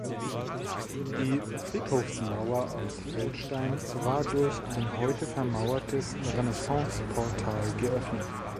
Die Friedhofsmauer aus Feldstein war durch ein heute vermauertes Renaissanceportal geöffnet.